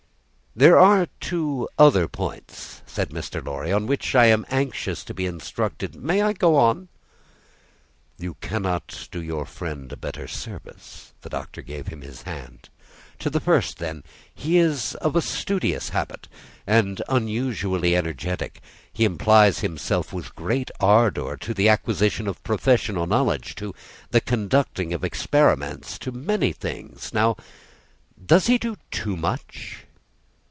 "There are two other points," said Mr. Lorry, "on which I am anxious to be instructed. I may go on?" "You cannot do your friend a better service." The Doctor gave him his hand. "To the first, then. He is of a studious habit, and unusually energetic; he applies himself with great ardour to the acquisition of professional knowledge, to the conducting of experiments, to many things. Now, does he do too much?"